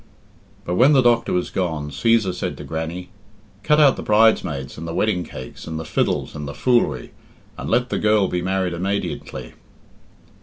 But when the doctor was gone, Cæsar said to Grannie, "Cut out the bridesmaids and the wedding cakes and the fiddles and the foolery, and let the girl be married immadiently."